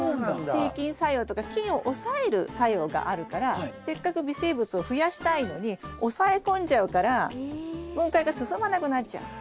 制菌作用とか菌を抑える作用があるからせっかく微生物を増やしたいのに抑え込んじゃうから分解が進まなくなっちゃう。